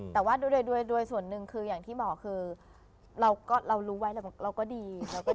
แต่ว่าด้วยส่วนหนึ่งคืออย่างที่บอกคือเรารู้ไว้เราก็ดี